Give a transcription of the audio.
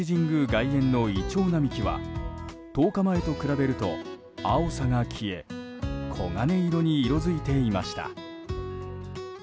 外苑のイチョウ並木は１０日前と比べると、青さが消え黄金色に色づいていました。